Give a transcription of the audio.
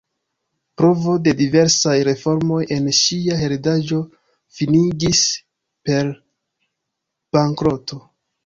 Provo de diversaj reformoj en ŝia heredaĵo finiĝis per bankroto.